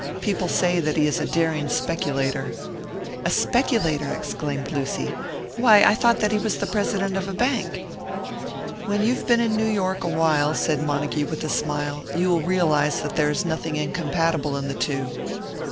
People say that he is a daring speculator." "A speculator!" exclaimed Lucy. "Why, I thought that he was the president of a bank!" "When you have been in New York awhile," said Montague, with a smile, "you will realise that there is nothing incompatible in the two."